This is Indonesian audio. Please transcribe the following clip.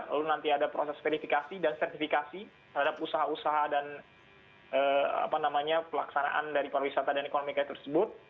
lalu nanti ada proses verifikasi dan sertifikasi terhadap usaha usaha dan pelaksanaan dari pariwisata dan ekonomi kreatif tersebut